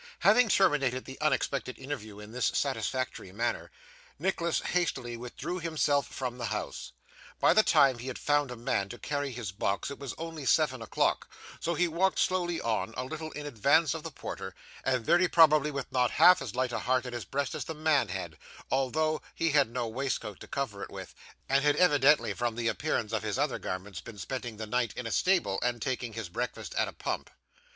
Having terminated the unexpected interview in this satisfactory manner, Nicholas hastily withdrew himself from the house. By the time he had found a man to carry his box it was only seven o'clock, so he walked slowly on, a little in advance of the porter, and very probably with not half as light a heart in his breast as the man had, although he had no waistcoat to cover it with, and had evidently, from the appearance of his other garments, been spending the night in a stable, and taking his breakfast at a pump.